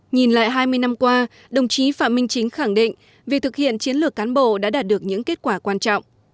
nhìn lại hai mươi năm qua đồng chí phạm minh chính khẳng định việc thực hiện chiến lược cán bộ đã đạt được những kết quả quan trọng